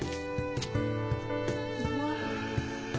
うわ。